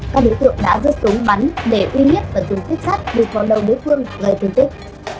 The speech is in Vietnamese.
các đứa tựa đã giúp súng bắn để uy nhiếp và dùng thích sát được con đầu đối phương gây thương tích